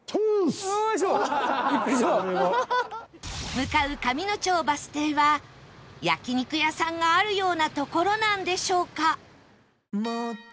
向かう上の町バス停は焼肉屋さんがあるような所なんでしょうか？